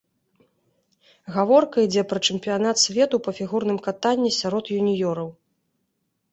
Гаворка ідзе пра чэмпіянат свету па фігурным катанні сярод юніёраў.